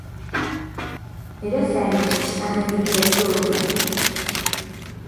Era Fènix enemic de Ptolemeu?